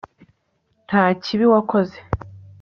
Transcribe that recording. nta kibi wakoze